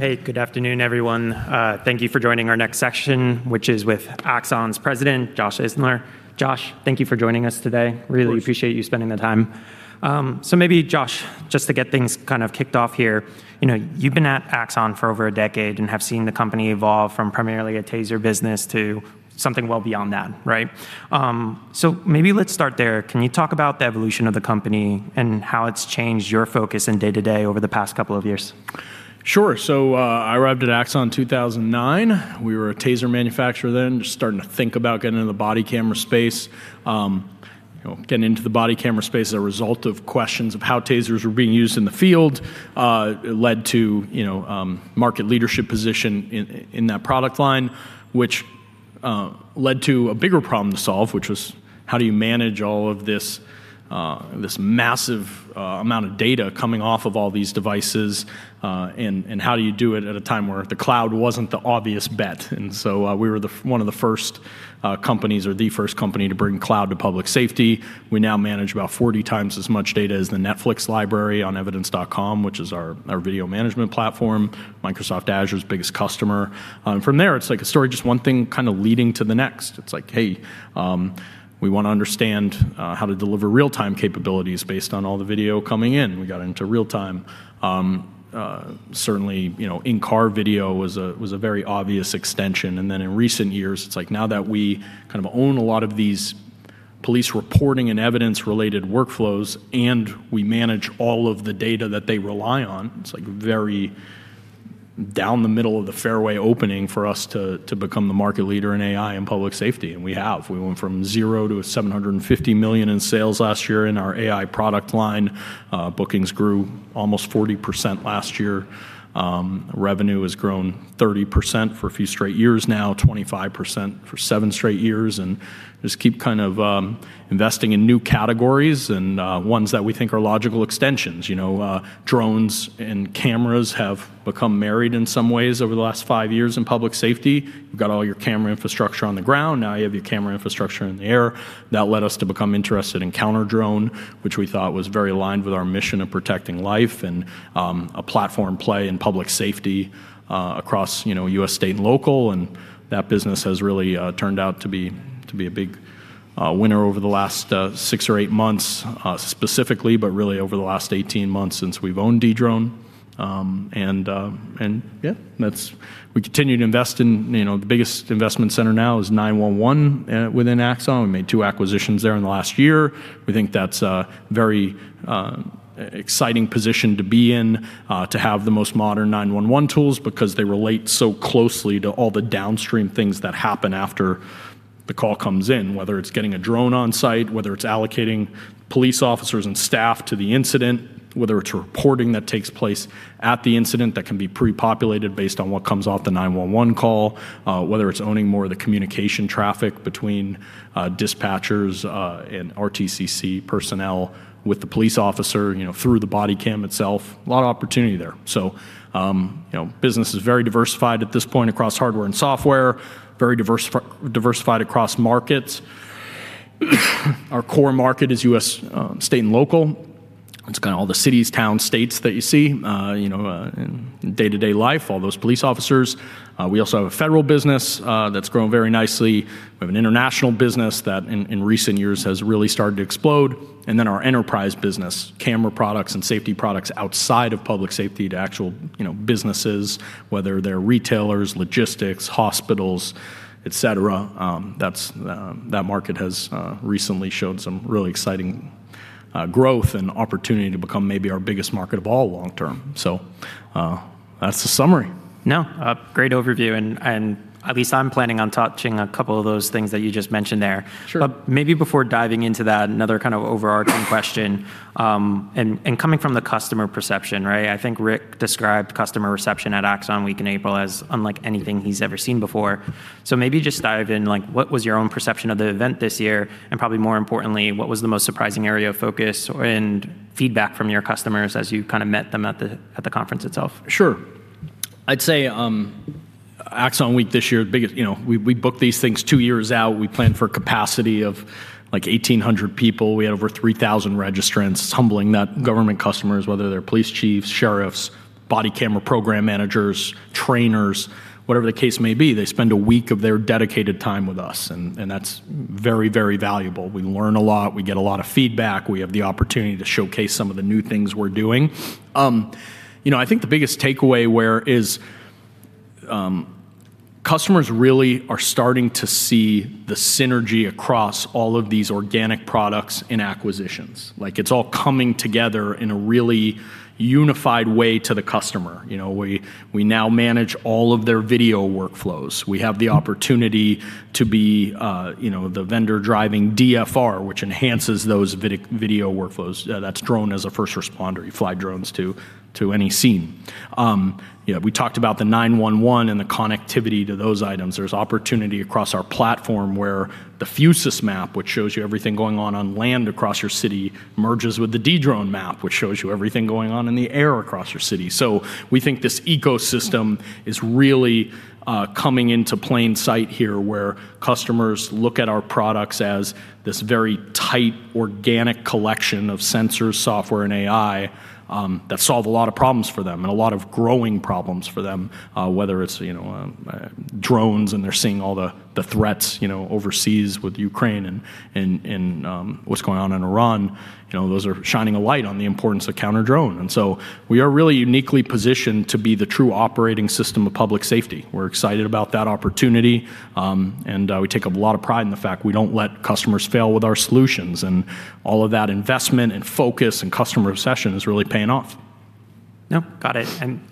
Hey, good afternoon, everyone. Thank you for joining our next session, which is with Axon's President, Josh Isner. Josh, thank you for joining us today. Of course. Really appreciate you spending the time. Maybe Josh, just to get things kind of kicked off here, you know, you've been at Axon for over a decade and have seen the company evolve from primarily a TASER business to something well beyond that, right? Maybe let's start there. Can you talk about the evolution of the company and how it's changed your focus and day-to-day over the past couple of years? Sure. I arrived at Axon in 2009. We were a TASER manufacturer then, just starting to think about getting into the body camera space. You know, getting into the body camera space as a result of questions of how TASERs were being used in the field, led to, you know, market leadership position in that product line, which led to a bigger problem to solve, which was how do you manage all of this massive amount of data coming off of all these devices? How do you do it at a time where the cloud wasn't the obvious bet? We were one of the first companies or the first company to bring cloud to public safety. We now manage about 40 times as much data as the Netflix library on Evidence.com, which is our video management platform, Microsoft Azure's biggest customer. From there, it's like a story, just one thing kinda leading to the next. It's like, Hey, we wanna understand how to deliver real-time capabilities based on all the video coming in. We got into real time. Certainly, you know, in-car video was a very obvious extension. Then in recent years, it's like now that we kind of own a lot of these police reporting and evidence-related workflows, and we manage all of the data that they rely on, it's like very down the middle of the fairway opening for us to become the market leader in AI and public safety, and we have. We went from 0 to $750 million in sales last year in our AI product line. Bookings grew almost 40% last year. Revenue has grown 30% for a few straight years now, 25% for seven straight years, and just keep kind of investing in new categories and ones that we think are logical extensions. You know, drones and cameras have become married in some ways over the last five years in public safety. You've got all your camera infrastructure on the ground. Now you have your camera infrastructure in the air. That led us to become interested in counter-drone, which we thought was very aligned with our mission of protecting life and a platform play in public safety across, you know, U.S. state and local. That business has really turned out to be a big winner over the last six or eight months specifically, but really over the last 18 months since we've owned Dedrone. We continue to invest in, you know, the biggest investment center now is 911 within Axon. We made two acquisitions there in the last year. We think that's a very exciting position to be in, to have the most modern 911 tools because they relate so closely to all the downstream things that happen after the call comes in, whether it's getting a drone on site, whether it's allocating police officers and staff to the incident, whether it's reporting that takes place at the incident that can be pre-populated based on what comes off the 911 call, whether it's owning more of the communication traffic between dispatchers and RTCC personnel with the police officer, you know, through the body cam itself. A lot of opportunity there. Business is very diversified at this point across hardware and software, very diversified across markets. Our core market is U.S. state and local. It's kind of all the cities, towns, states that you see in day-to-day life, all those police officers. We also have a federal business that's grown very nicely. We have an international business that in recent years has really started to explode. Our enterprise business, camera products and safety products outside of public safety to actual businesses, whether they're retailers, logistics, hospitals, et cetera. That's that market has recently showed some really exciting growth and opportunity to become maybe our biggest market of all long term. That's the summary. No, a great overview, and at least I'm planning on touching a couple of those things that you just mentioned there. Sure. Maybe before diving into that, another kind of overarching question, and coming from the customer perception, right? I think Rick described customer reception at Axon Week in April as unlike anything he's ever seen before. Maybe just dive in, like, what was your own perception of the event this year? Probably more importantly, what was the most surprising area of focus and feedback from your customers as you kind of met them at the, at the conference itself? Sure. I'd say, Axon Week this year, the biggest. You know, we book these things two years out. We plan for capacity of like 1,800 people. We had over 3,000 registrants. It's humbling that government customers, whether they're police chiefs, sheriffs, body camera program managers, trainers, whatever the case may be, they spend a week of their dedicated time with us, and that's very, very valuable. We learn a lot. We get a lot of feedback. We have the opportunity to showcase some of the new things we're doing. You know, I think the biggest takeaway where is, customers really are starting to see the synergy across all of these organic products and acquisitions. Like, it's all coming together in a really unified way to the customer. You know, we now manage all of their video workflows. We have the opportunity to be, you know, the vendor driving DFR, which enhances those video workflows. That's drone as a first responder. You fly drones to any scene. You know, we talked about the 911 and the connectivity to those items. There's opportunity across our platform where the Fusus map, which shows you everything going on on land across your city, merges with the Dedrone map, which shows you everything going on in the air across your city. We think this ecosystem is really coming into plain sight here, where customers look at our products as this very tight, organic collection of sensors, software, and AI that solve a lot of problems for them and a lot of growing problems for them, whether it's, you know, drones and they're seeing all the threats, you know, overseas with Ukraine and what's going on in Iran. You know, those are shining a light on the importance of counter-drone. We are really uniquely positioned to be the true operating system of public safety. We're excited about that opportunity, we take a lot of pride in the fact we don't let customers fail with our solutions, and all of that investment and focus and customer obsession is really paying off.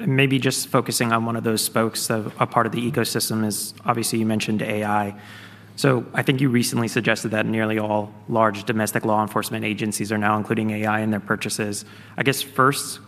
Maybe just focusing on one of those spokes of a part of the ecosystem is obviously you mentioned AI. I think you recently suggested that nearly all large domestic law enforcement agencies are now including AI in their purchases. I guess first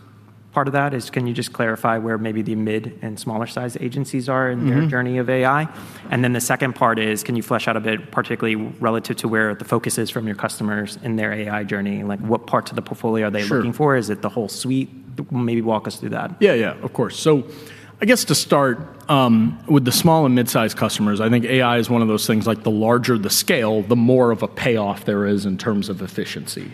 part of that is can you just clarify where maybe the mid and smaller size agencies are- in their journey of AI? Then the second part is, can you flesh out a bit, particularly relative to where the focus is from your customers in their AI journey? Like what parts of the portfolio are they. Sure looking for? Is it the whole suite? Maybe walk us through that. Yeah. Of course. I guess to start with the small and mid-size customers, I think AI is one of those things like the larger the scale, the more of a payoff there is in terms of efficiency.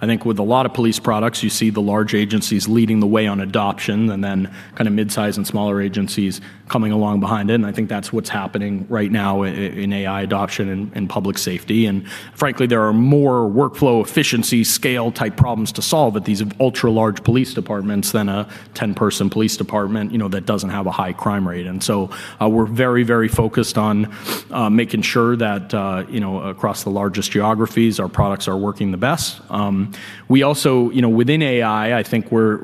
I think with a lot of police products, you see the large agencies leading the way on adoption and then kinda mid-size and smaller agencies coming along behind it, and I think that's what's happening right now in AI adoption and public safety. Frankly, there are more workflow efficiency scale type problems to solve at these ultra-large police departments than a 10-person police department, you know, that doesn't have a high crime rate. We're very focused on making sure that, you know, across the largest geographies, our products are working the best. We also, you know, within AI, I think we're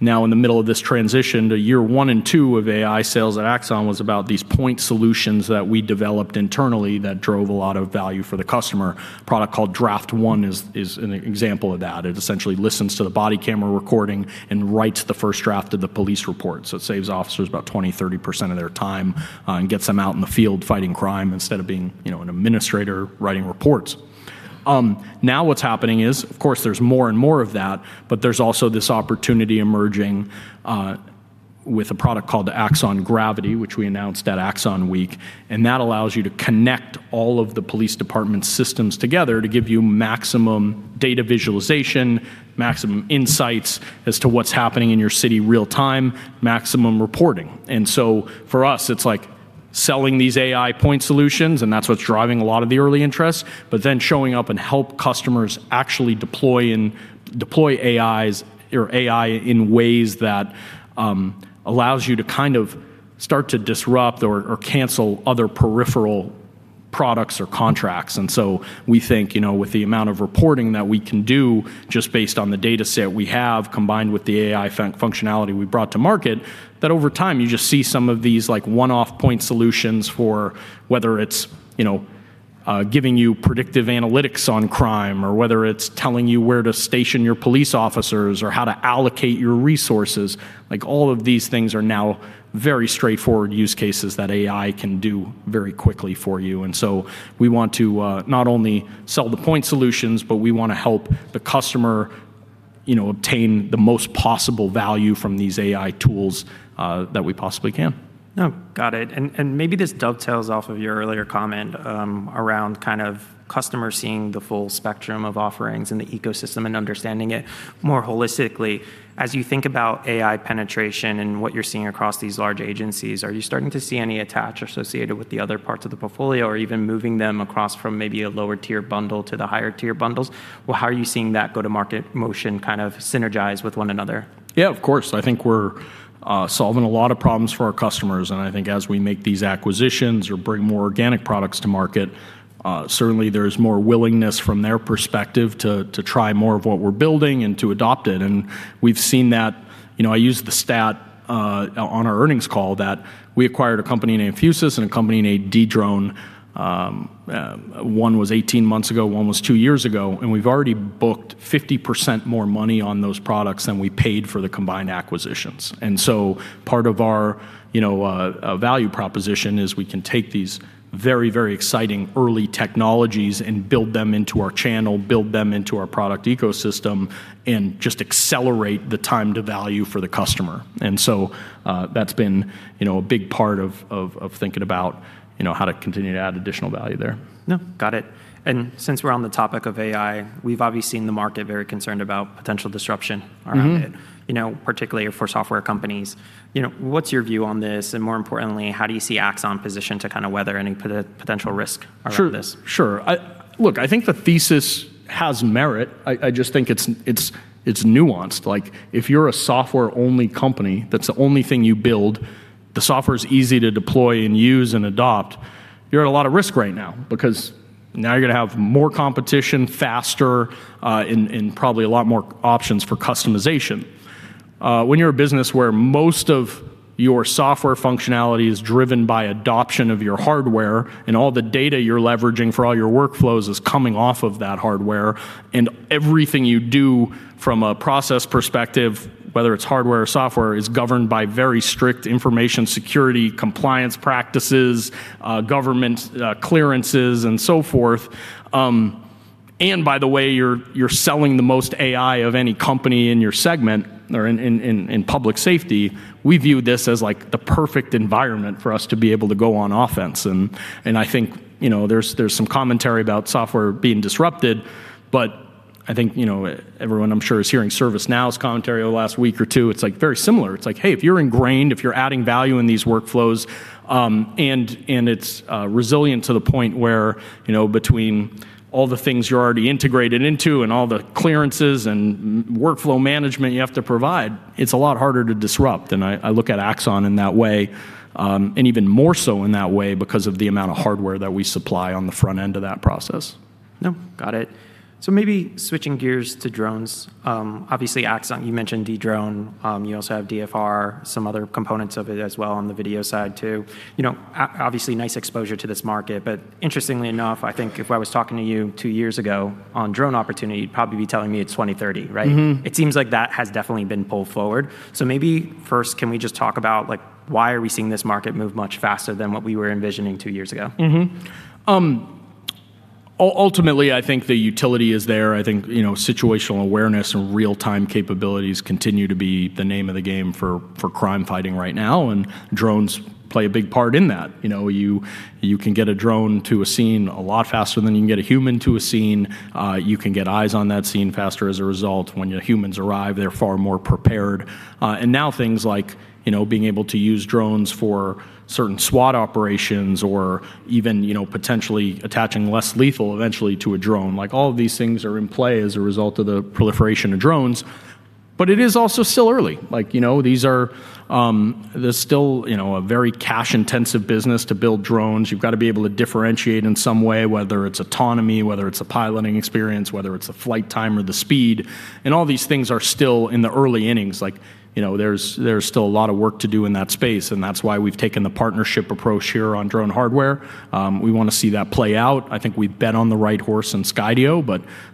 now in the middle of this transition to year one and two of AI sales at Axon was about these point solutions that we developed internally that drove a lot of value for the customer. Product called DraftOne is an example of that. It essentially listens to the body camera recording and writes the first draft of the police report. It saves officers about 20%-30% of their time and gets them out in the field fighting crime instead of being, you know, an administrator writing reports. Now what's happening is, of course, there's more and more of that, but there's also this opportunity emerging with a product called Axon Gravity, which we announced at Axon Week. That allows you to connect all of the police department systems together to give you maximum data visualization, maximum insights as to what's happening in your city real time, maximum reporting. For us, it's like selling these AI point solutions. That's what's driving a lot of the early interest. Then showing up and help customers actually deploy and deploy AIs or AI in ways that allows you to kind of start to disrupt or cancel other peripheral products or contracts. We think, you know, with the amount of reporting that we can do just based on the dataset we have, combined with the AI functionality we brought to market, that over time, you just see some of these like one-off point solutions for whether it's, you know, giving you predictive analytics on crime or whether it's telling you where to station your police officers or how to allocate your resources. Like all of these things are now very straightforward use cases that AI can do very quickly for you. We want to not only sell the point solutions, but we wanna help the customer, you know, obtain the most possible value from these AI tools that we possibly can. No, got it. Maybe this dovetails off of your earlier comment, around kind of customers seeing the full spectrum of offerings in the ecosystem and understanding it more holistically. As you think about AI penetration and what you're seeing across these large agencies, are you starting to see any attach associated with the other parts of the portfolio or even moving them across from maybe a lower tier bundle to the higher tier bundles? Well, how are you seeing that go-to-market motion kind of synergize with one another? Yeah, of course. I think we're solving a lot of problems for our customers, and I think as we make these acquisitions or bring more organic products to market, certainly there's more willingness from their perspective to try more of what we're building and to adopt it. We've seen that, you know, I used the stat on our earnings call that we acquired a company named Fusus and a company named Dedrone. One was 18 months ago, one was two years ago, and we've already booked 50% more money on those products than we paid for the combined acquisitions. Part of our, you know, value proposition is we can take these very exciting early technologies and build them into our channel, build them into our product ecosystem, and just accelerate the time to value for the customer. That's been, you know, a big part of thinking about, you know, how to continue to add additional value there. No, got it. Since we're on the topic of AI, we've obviously seen the market very concerned about potential disruption around it. you know, particularly for software companies. You know, what's your view on this? More importantly, how do you see Axon positioned to kind of weather any potential risk around this? Sure, sure. Look, I think the thesis has merit. I just think it's nuanced. Like if you're a software-only company, that's the only thing you build, the software is easy to deploy and use and adopt, you're at a lot of risk right now because now you're gonna have more competition faster, and probably a lot more options for customization. When you're a business where most of your software functionality is driven by adoption of your hardware and all the data you're leveraging for all your workflows is coming off of that hardware and everything you do from a process perspective, whether it's hardware or software, is governed by very strict information security compliance practices, government, clearances and so forth. By the way, you're selling the most AI of any company in your segment or in public safety, we view this as like the perfect environment for us to be able to go on offense. I think, you know, there's some commentary about software being disrupted, but I think, you know, everyone I'm sure is hearing ServiceNow's commentary over the last week or two. It's, like, very similar. It's like, hey, if you're ingrained, if you're adding value in these workflows, and it's resilient to the point where, you know, between all the things you're already integrated into and all the clearances and workflow management you have to provide, it's a lot harder to disrupt. I look at Axon in that way, and even more so in that way because of the amount of hardware that we supply on the front end of that process. No, got it. Maybe switching gears to drones. Obviously Axon, you mentioned Dedrone. You also have DFR, some other components of it as well on the video side too. You know, obviously nice exposure to this market. Interestingly enough, I think if I was talking to you two years ago on drone opportunity, you'd probably be telling me it's 2030, right? It seems like that has definitely been pulled forward. Maybe first, can we just talk about, like, why are we seeing this market move much faster than what we were envisioning two years ago? Ultimately, I think the utility is there. I think, you know, situational awareness and real-time capabilities continue to be the name of the game for crime fighting right now, and drones play a big part in that. You know, you can get a drone to a scene a lot faster than you can get a human to a scene. You can get eyes on that scene faster as a result. When your humans arrive, they're far more prepared. Now things like, you know, being able to use drones for certain SWAT operations or even, you know, potentially attaching less lethal eventually to a drone. Like, all of these things are in play as a result of the proliferation of drones, it is also still early. Like, you know, these are, there's still, you know, a very cash intensive business to build drones. You've got to be able to differentiate in some way, whether it's autonomy, whether it's a piloting experience, whether it's the flight time or the speed. All these things are still in the early innings. Like, you know, there's still a lot of work to do in that space, and that's why we've taken the partnership approach here on drone hardware. We want to see that play out. I think we bet on the right horse in Skydio,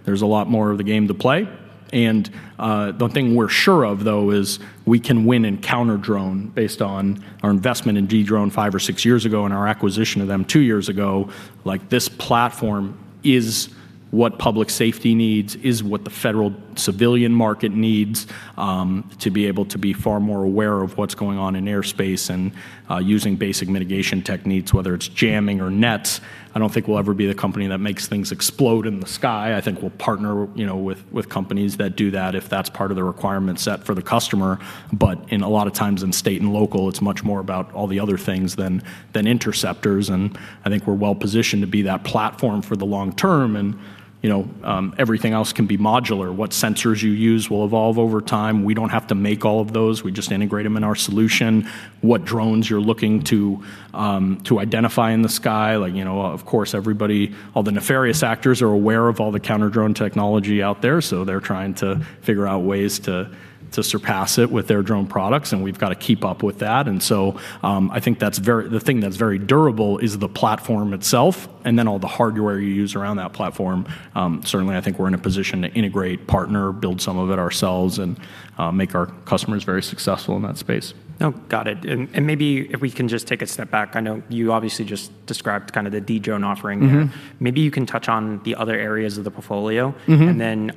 there's a lot more of the game to play. The thing we're sure of, though, is we can win in counter drone based on our investment in Dedrone five or six years ago and our acquisition of them two years ago. Like, this platform is what public safety needs, is what the federal civilian market needs, to be able to be far more aware of what's going on in airspace and, using basic mitigation techniques, whether it's jamming or nets. I don't think we'll ever be the company that makes things explode in the sky. I think we'll partner, you know, with companies that do that if that's part of the requirement set for the customer. In a lot of times in state and local, it's much more about all the other things than interceptors, and I think we're well-positioned to be that platform for the long term. You know, everything else can be modular. What sensors you use will evolve over time. We don't have to make all of those. We just integrate them in our solution. What drones you're looking to identify in the sky. Like, you know, of course, everybody, all the nefarious actors are aware of all the counter drone technology out there, so they're trying to figure out ways to surpass it with their drone products, and we've got to keep up with that. I think that's the thing that's very durable is the platform itself and then all the hardware you use around that platform. Certainly I think we're in a position to integrate, partner, build some of it ourselves, and make our customers very successful in that space. Oh, got it. Maybe if we can just take a step back. I know you obviously just described kind of the Dedrone offering. Maybe you can touch on the other areas of the portfolio.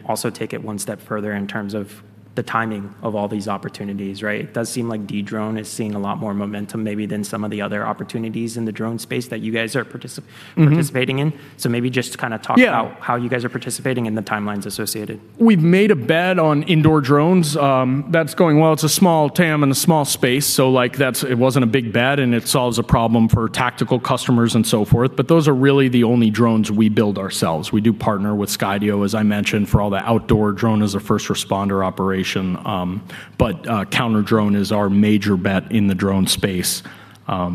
Also take it one step further in terms of the timing of all these opportunities, right? It does seem like Dedrone is seeing a lot more momentum maybe than some of the other opportunities in the drone space that you guys are. participating in. Yeah how you guys are participating and the timelines associated. We've made a bet on indoor drones. That's going well. It's a small TAM and a small space, it wasn't a big bet and it solves a problem for tactical customers and so forth. Those are really the only drones we build ourselves. We do partner with Skydio, as I mentioned, for all the outdoor drone as a first responder operation. Counter drone is our major bet in the drone space. Well,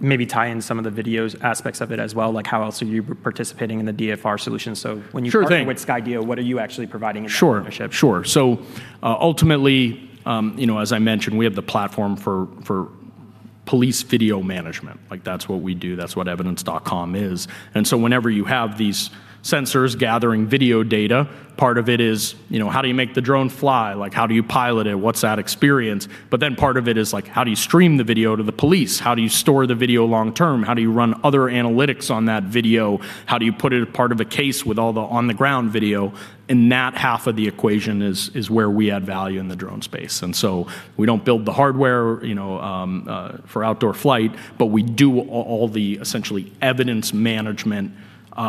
maybe tie in some of the videos aspects of it as well. Like how else are you participating in the DFR solution? Sure thing. with Skydio, what are you actually providing in that partnership? Sure, sure. Ultimately, you know, as I mentioned, we have the platform for police video management. Like, that's what we do. That's what evidence.com is. Whenever you have these sensors gathering video data, part of it is, you know, how do you make the drone fly? Like, how do you pilot it? What's that experience? Part of it is, like, how do you stream the video to the police? How do you store the video long term? How do you run other analytics on that video? How do you put it a part of a case with all the on the ground video? That half of the equation is where we add value in the drone space. We don't build the hardware, you know, for outdoor flight, but we do all the essentially evidence management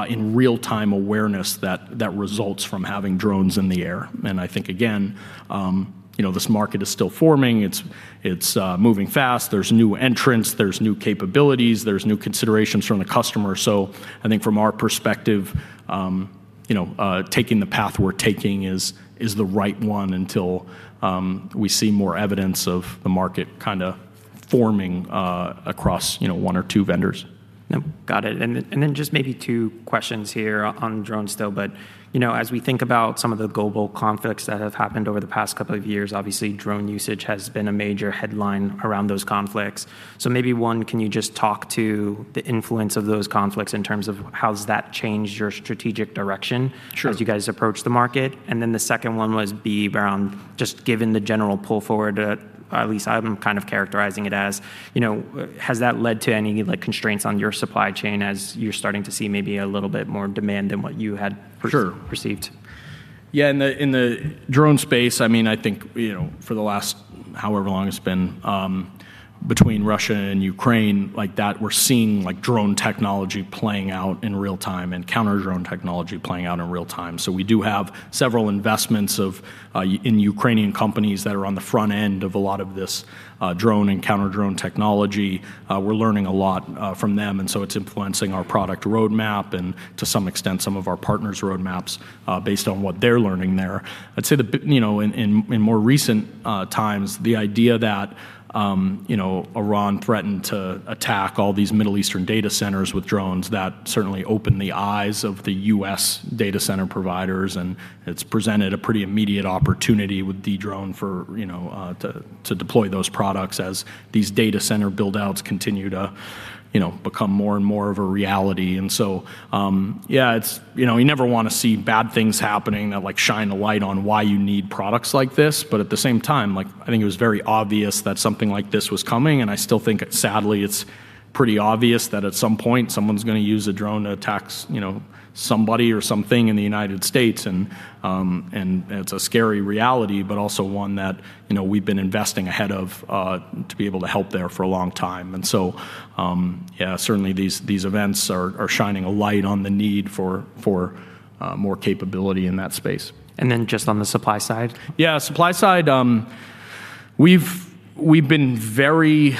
in real time awareness that results from having drones in the air. I think again, you know, this market is still forming. It's moving fast. There's new entrants, there's new capabilities, there's new considerations from the customer. I think from our perspective, you know, taking the path we're taking is the right one until we see more evidence of the market kind of forming across, you know, one or two vendors. Yep, got it. Then, just maybe two questions here on drones still. You know, as we think about some of the global conflicts that have happened over the past two years, obviously drone usage has been a major headline around those conflicts. Maybe one can you just talk to the influence of those conflicts in terms of how has that changed your strategic direction? Sure as you guys approach the market? Then the second one was, be around just given the general pull forward, at least I'm kind of characterizing it as, you know, has that led to any, like, constraints on your supply chain as you're starting to see maybe a little bit more demand than what you had? Sure perceived? Yeah. In the drone space, I mean, I think, you know, for the last however long it's been, between Russia and Ukraine like that, we're seeing like drone technology playing out in real time and counter-drone technology playing out in real time. We do have several investments in Ukrainian companies that are on the front end of a lot of this drone and counter-drone technology. We're learning a lot from them, it's influencing our product roadmap and to some extent some of our partners' roadmaps, based on what they're learning there. I'd say, you know, in more recent times, the idea that, you know, Iran threatened to attack all these Middle Eastern data centers with drones, that certainly opened the eyes of the U.S. data center providers, and it's presented a pretty immediate opportunity with Dedrone for, you know, to deploy those products as these data center build-outs continue to, you know, become more and more of a reality. You know, you never wanna see bad things happening that like shine a light on why you need products like this. At the same time, like I think it was very obvious that something like this was coming, and I still think sadly it's pretty obvious that at some point someone's gonna use a drone to attack you know, somebody or something in the United States. It's a scary reality, but also one that, you know, we've been investing ahead of to be able to help there for a long time. Yeah, certainly these events are shining a light on the need for more capability in that space. Just on the supply side? Supply side, we've been very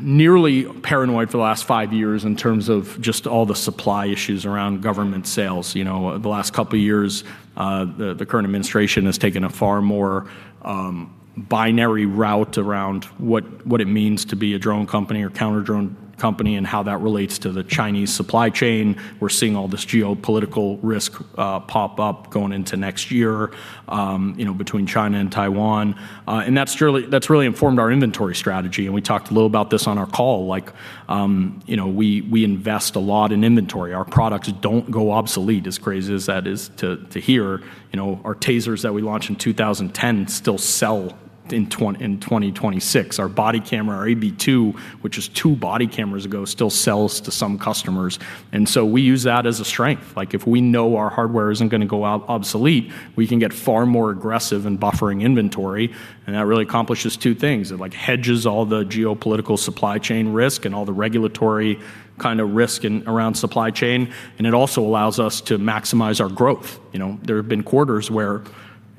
nearly paranoid for the last five years in terms of just all the supply issues around government sales. You know, the last couple years, the current administration has taken a far more binary route around what it means to be a drone company or counter-drone company and how that relates to the Chinese supply chain. We're seeing all this geopolitical risk pop up going into next year, you know, between China and Taiwan. That's really informed our inventory strategy, and we talked a little about this on our call. Like, you know, we invest a lot in inventory. Our products don't go obsolete, as crazy as that is to hear. You know, our TASERs that we launched in 2010 still sell in 2026. Our body camera, our AB2, which was two body cameras ago, still sells to some customers. We use that as a strength. Like if we know our hardware isn't gonna go out obsolete, we can get far more aggressive in buffering inventory, that really accomplishes two things. It like hedges all the geopolitical supply chain risk all the regulatory kind of risk in, around supply chain, it also allows us to maximize our growth. You know, there have been quarters where,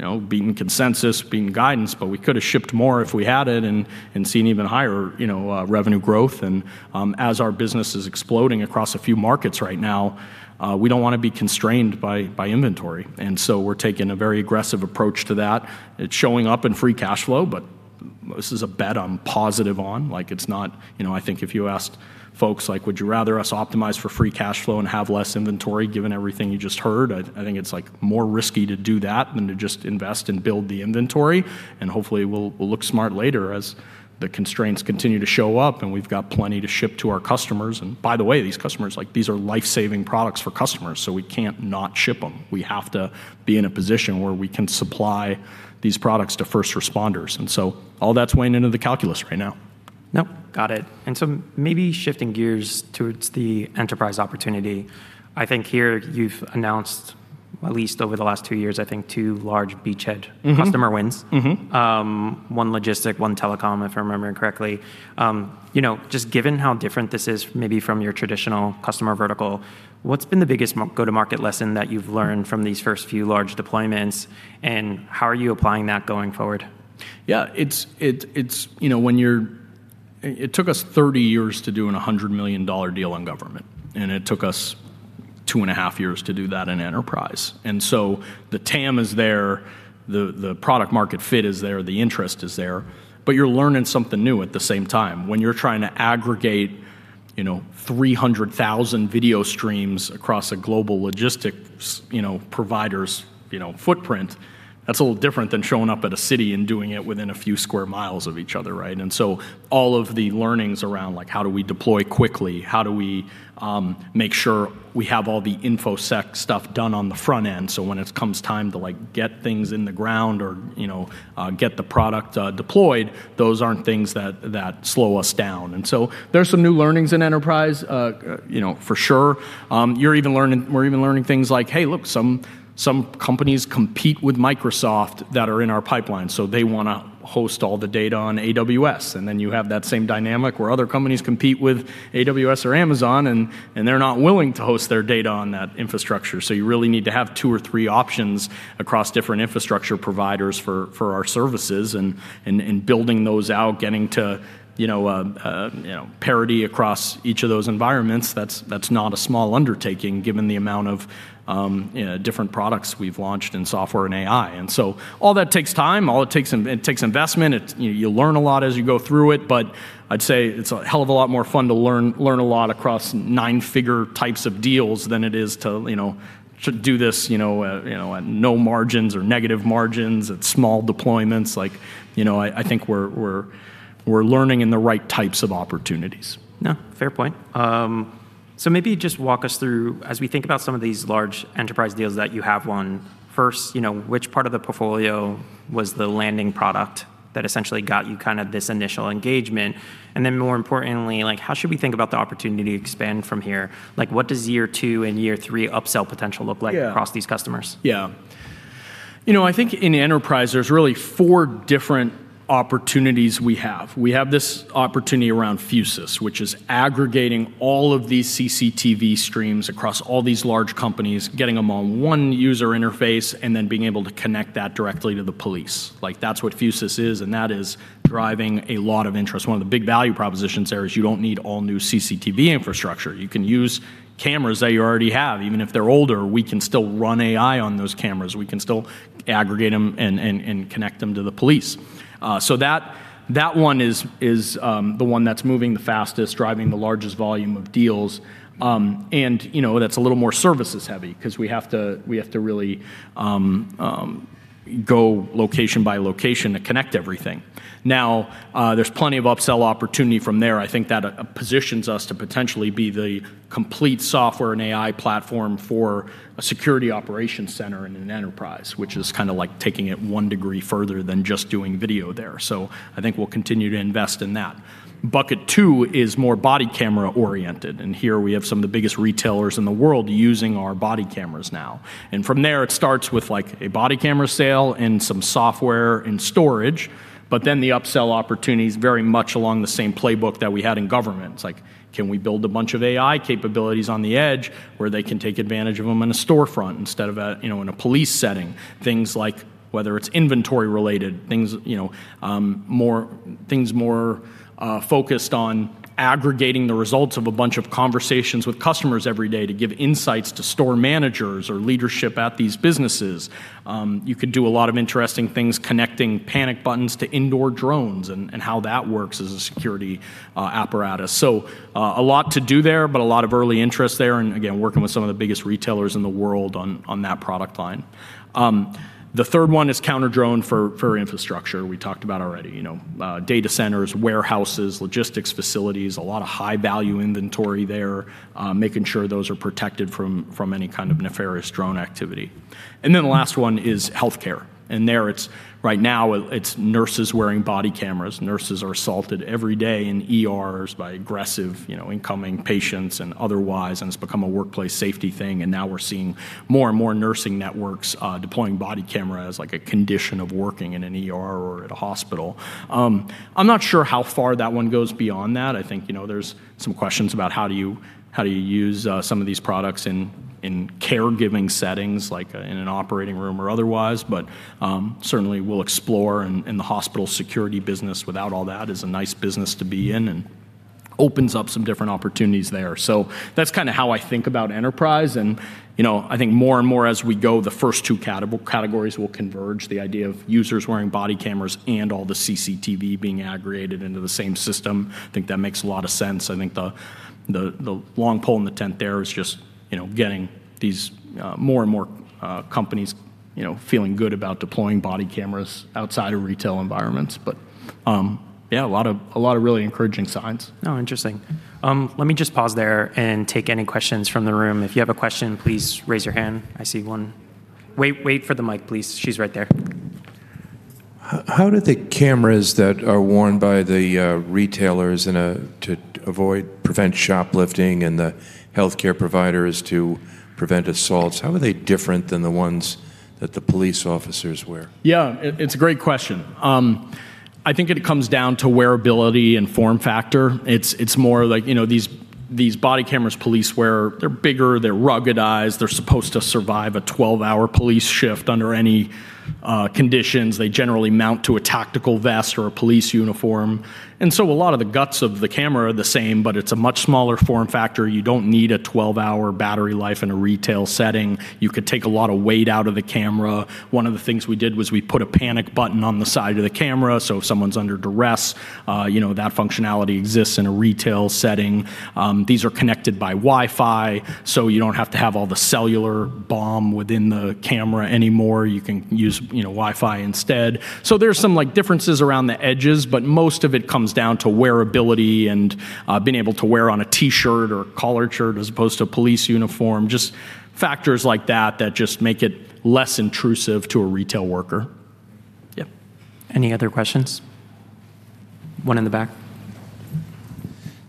you know, beating consensus, beating guidance, we could have shipped more if we had it and seen even higher, you know, revenue growth. As our business is exploding across a few markets right now, we don't wanna be constrained by inventory. We're taking a very aggressive approach to that. It's showing up in free cash flow, but this is a bet I'm positive on. It's not You know, I think if you asked folks like, "Would you rather us optimize for free cash flow and have less inventory given everything you just heard?" I think it's like more risky to do that than to just invest and build the inventory, and hopefully we'll look smart later as the constraints continue to show up and we've got plenty to ship to our customers. By the way, these customers, like these are life-saving products for customers, so we can't not ship them. We have to be in a position where we can supply these products to first responders, and so all that's weighing into the calculus right now. Nope. Got it. Maybe shifting gears towards the enterprise opportunity. I think here you've announced at least over the last two years, I think two large beachhead. customer wins. One logistic, one telecom, if I remember correctly. You know, just given how different this is maybe from your traditional customer vertical, what's been the biggest go-to-market lesson that you've learned from these first few large deployments, and how are you applying that going forward? Yeah. It's, you know, it took us 30 years to do an $100 million deal on government, and it took us two and a half years to do that in enterprise. The TAM is there, the product market fit is there, the interest is there, you're learning something new at the same time. When you're trying to aggregate, you know, 300,000 video streams across a global logistics, you know, provider's, you know, footprint, that's a little different than showing up at a city and doing it within a few sq mi of each other, right? All of the learnings around like how do we deploy quickly, how do we make sure we have all the info sec stuff done on the front end, so when it comes time to like get things in the ground or, you know, get the product deployed, those aren't things that slow us down. There's some new learnings in enterprise, you know, for sure. We're even learning things like, hey, look, some companies compete with Microsoft that are in our pipeline, so they wanna host all the data on AWS. You have that same dynamic where other companies compete with AWS or Amazon and they're not willing to host their data on that infrastructure. You really need to have two or three options across different infrastructure providers for our services and building those out, getting to, you know, parity across each of those environments. That's not a small undertaking given the amount of different products we've launched in software and AI. All that takes time, all it takes, it takes investment. You learn a lot as you go through it. I'd say it's a hell of a lot more fun to learn a lot across 9-figure types of deals than it is to, you know, to do this, you know, at no margins or negative margins, at small deployments. Like, you know, I think we're learning in the right types of opportunities. Yeah. Fair point. Maybe just walk us through as we think about some of these large enterprise deals that you have won, first, you know, which part of the portfolio was the landing product that essentially got you kind of this initial engagement? More importantly, like, how should we think about the opportunity to expand from here? Like, what does year two and year three upsell potential look like? Yeah across these customers? Yeah. You know, I think in enterprise there's really four different opportunities we have. We have this opportunity around Fusus, which is aggregating all of these CCTV streams across all these large companies, getting them on one user interface, and then being able to connect that directly to the police. Like, that's what Fusus is, and that is driving a lot of interest. One of the big value propositions there is you don't need all new CCTV infrastructure. You can use cameras that you already have. Even if they're older, we can still run AI on those cameras. We can still aggregate them and connect them to the police. That one is the one that's moving the fastest, driving the largest volume of deals. You know, that's a little more services heavy 'cause we have to, we have to really go location by location to connect everything. There's plenty of upsell opportunity from there. I think that positions us to potentially be the complete software and AI platform for a security operations center in an enterprise, which is kind of like taking it one degree further than just doing video there. I think we'll continue to invest in that. Bucket two is more body camera oriented, here we have some of the biggest retailers in the world using our body cameras now. From there it starts with, like, a body camera sale and some software and storage, the upsell opportunity is very much along the same playbook that we had in government. It's like, can we build a bunch of AI capabilities on the edge where they can take advantage of them in a storefront instead of a, you know, in a police setting? Things like whether it's inventory related, things, you know, more, things more focused on aggregating the results of a bunch of conversations with customers every day to give insights to store managers or leadership at these businesses. You could do a lot of interesting things connecting panic buttons to indoor drones and how that works as a security apparatus. A lot to do there, but a lot of early interest there and again, working with some of the biggest retailers in the world on that product line. The third one is counter-drone for infrastructure, we talked about already. You know, data centers, warehouses, logistics facilities, a lot of high value inventory there. Making sure those are protected from any kind of nefarious drone activity. Then the last one is healthcare, and there it's nurses wearing body cameras. Nurses are assaulted every day in ERs by aggressive, you know, incoming patients and otherwise, and it's become a workplace safety thing and now we're seeing more and more nursing networks deploying body cameras, like, a condition of working in an ER or at a hospital. I'm not sure how far that one goes beyond that. I think, you know, there's some questions about how do you use some of these products in caregiving settings like in an operating room or otherwise. Certainly we'll explore and the hospital security business without all that is a nice business to be in, and opens up some different opportunities there. That's kind of how I think about enterprise and, you know, I think more and more as we go, the first two categories will converge. The idea of users wearing body cameras and all the CCTV being aggregated into the same system, I think that makes a lot of sense. I think the long pole in the tent there is just, you know, getting these more and more companies, you know, feeling good about deploying body cameras outside of retail environments. Yeah, a lot of really encouraging signs. Oh, interesting. Let me just pause there and take any questions from the room. If you have a question, please raise your hand. I see one. Wait for the mic, please. She's right there. How do the cameras that are worn by the retailers to avoid, prevent shoplifting and the healthcare providers to prevent assaults, how are they different than the ones that the police officers wear? Yeah, it's a great question. I think it comes down to wearability and form factor. It's more like, you know, these body cameras police wear, they're bigger, they're ruggedized, they're supposed to survive a 12-hour police shift under any conditions. They generally mount to a tactical vest or a police uniform. A lot of the guts of the camera are the same, but it's a much smaller form factor. You don't need a 12-hour battery life in a retail setting. You could take a lot of weight out of the camera. One of the things we did was we put a panic button on the side of the camera so if someone's under duress, you know, that functionality exists in a retail setting. These are connected by Wi-Fi, you don't have to have all the cellular BOM within the camera anymore. You can use, you know, Wi-Fi instead. There's some, like, differences around the edges, but most of it comes down to wearability and being able to wear on a T-shirt or collared shirt as opposed to a police uniform. Just factors like that that just make it less intrusive to a retail worker. Yeah. Any other questions? One in the back.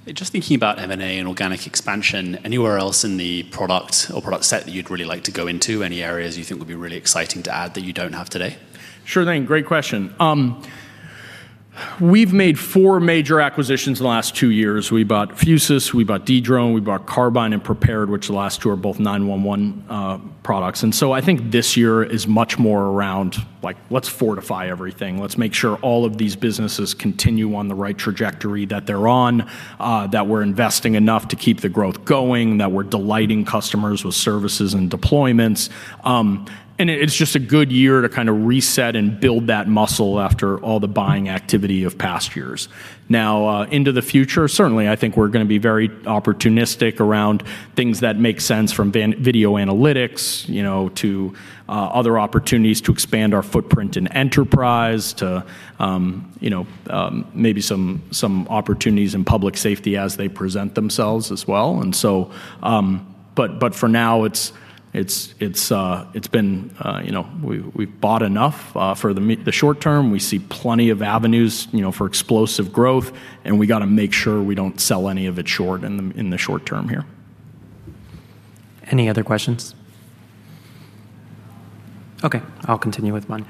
Just thinking about M&A and organic expansion, anywhere else in the product or product set that you'd really like to go into? Any areas you think would be really exciting to add that you don't have today? Sure thing. Great question. We've made four major acquisitions in the last two years. We bought Fusus, we bought Dedrone, we bought Carbyne and Prepared, which the last two are both 911 products. I think this year is much more around, like, let's fortify everything. Let's make sure all of these businesses continue on the right trajectory that they're on, that we're investing enough to keep the growth going, that we're delighting customers with services and deployments. It's just a good year to kind of reset and build that muscle after all the buying activity of past years. Now, into the future, certainly I think we're gonna be very opportunistic around things that make sense from video analytics, you know, to other opportunities to expand our footprint in enterprise to, you know, maybe some opportunities in public safety as they present themselves as well. For now it's been, you know, we've bought enough for the short term. We see plenty of avenues, you know, for explosive growth, and we gotta make sure we don't sell any of it short in the short term here. Any other questions? Okay, I'll continue with one.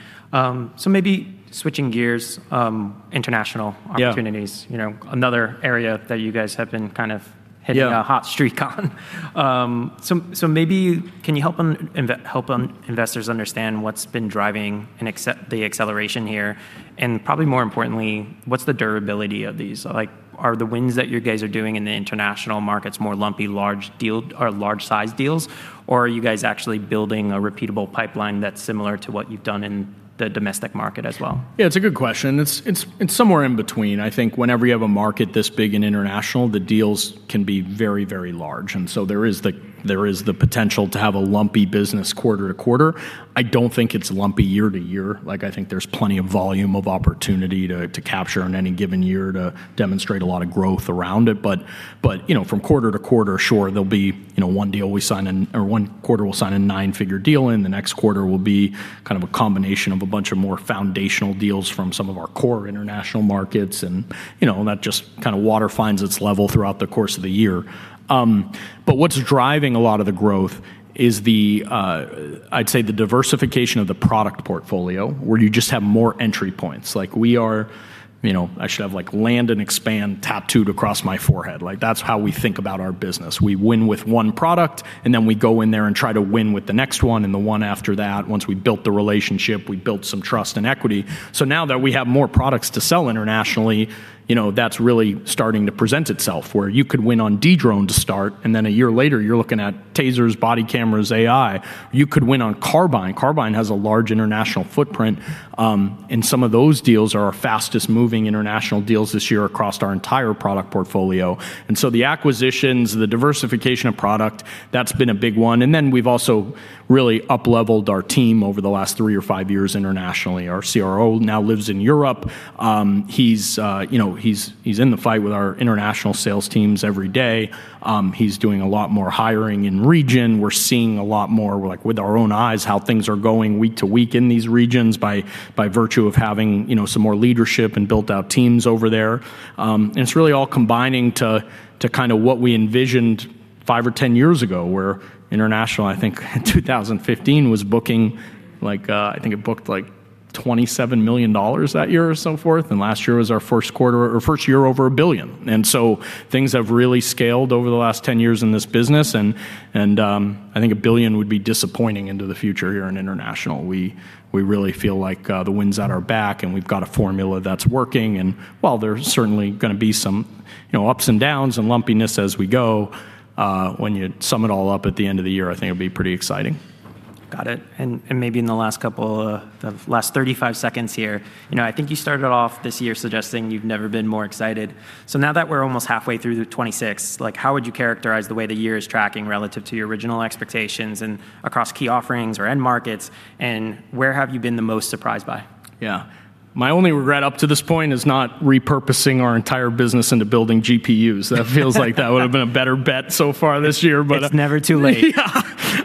Maybe switching gears, international opportunities. Yeah. You know, another area that you guys have been kind of hitting. Yeah a hot streak on. So maybe can you help them investors understand what's been driving the acceleration here? Probably more importantly, what's the durability of these? Like, are the wins that you guys are doing in the international markets more lumpy, large deal or large size deals or are you guys actually building a repeatable pipeline that's similar to what you've done in the domestic market as well? Yeah, it's a good question. It's somewhere in between. I think whenever you have a market this big and international, the deals can be very, very large, there is the potential to have a lumpy business quarter to quarter. I don't think it's lumpy year to year. Like, I think there's plenty of volume of opportunity to capture in any given year to demonstrate a lot of growth around it. You know, from quarter to quarter, sure, there'll be, you know, one quarter we'll sign a nine-figure deal and the next quarter will be kind of a combination of a bunch of more foundational deals from some of our core international markets, you know, and that just kinda water finds its level throughout the course of the year. What's driving a lot of the growth is the, I'd say the diversification of the product portfolio, where you just have more entry points. Like, You know, I should have, like, land and expand tattooed across my forehead. Like, that's how we think about our business. We win with one product, and then we go in there and try to win with the next one and the one after that. Once we've built the relationship, we've built some trust and equity. Now that we have more products to sell internationally, you know, that's really starting to present itself, where you could win on Dedrone to start, and then a year later you're looking at TASERs, body cameras, AI. You could win on Carbyne. Carbyne has a large international footprint, some of those deals are our fastest moving international deals this year across our entire product portfolio. The acquisitions, the diversification of product, that's been a big one. We've also really upleveled our team over the last three or five years internationally. Our CRO now lives in Europe. He's, you know, he's in the fight with our international sales teams every day. He's doing a lot more hiring in region. We're seeing a lot more, like, with our own eyes, how things are going week to week in these regions by virtue of having, you know, some more leadership and built out teams over there. It's really all combining to kind of what we envisioned five or 10 years ago, where international, I think in 2015, was booking like, I think it booked like $27 million that year or so forth. Last year was our first quarter or first year over $1 billion. Things have really scaled over the last 10 years in this business. I think $1 billion would be disappointing into the future here in international. We really feel like the wind's at our back and we've got a formula that's working and while there's certainly going to be some, you know, ups and downs and lumpiness as we go, when you sum it all up at the end of the year, I think it'll be pretty exciting. Got it. Maybe in the last couple, the last 35 seconds here, you know, I think you started off this year suggesting you've never been more excited. Now that we're almost halfway through 2026, like, how would you characterize the way the year is tracking relative to your original expectations and across key offerings or end markets, and where have you been the most surprised by? Yeah. My only regret up to this point is not repurposing our entire business into building GPUs. That feels like that would've been a better bet so far this year. It's never too late.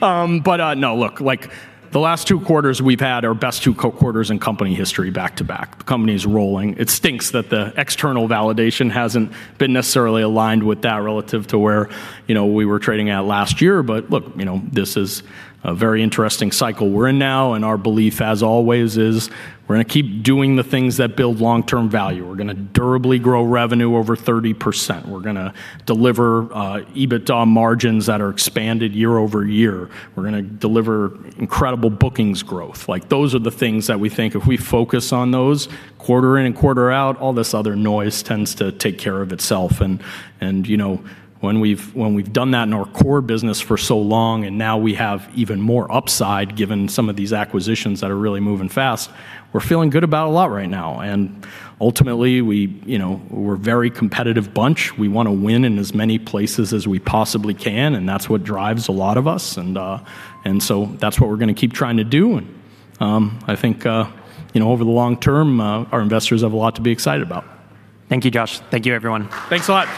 No, look, like, the last two quarters we've had our best two quarters in company history back to back. The company's rolling. It stinks that the external validation hasn't been necessarily aligned with that relative to where, you know, we were trading at last year. Look, you know, this is a very interesting cycle we're in now, and our belief, as always, is we're gonna keep doing the things that build long-term value. We're gonna durably grow revenue over 30%. We're gonna deliver EBITDA margins that are expanded year-over-year. We're gonna deliver incredible bookings growth. Like, those are the things that we think if we focus on those quarter in and quarter out, all this other noise tends to take care of itself. You know, when we've done that in our core business for so long and now we have even more upside given some of these acquisitions that are really moving fast, we're feeling good about a lot right now. Ultimately we, you know, we're a very competitive bunch. We wanna win in as many places as we possibly can, and that's what drives a lot of us, and that's what we're gonna keep trying to do. I think, you know, over the long term, our investors have a lot to be excited about. Thank you, Josh. Thank you, everyone. Thanks a lot.